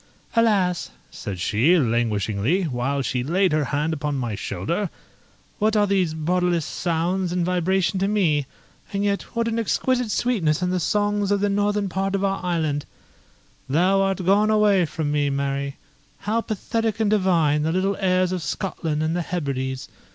"Alas!" said she, languishingly, while she laid her hand upon my shoulder, "what are these bodiless sounds and vibration to me? and yet what an exquisite sweetness in the songs of the northern part of our island: 'Thou art gone awa' from me, Mary!' How pathetic and divine the little airs of Scotland and the Hebrides!